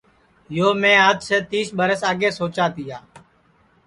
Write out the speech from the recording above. یو میں آج سے تیس برس آگے سوچا تیا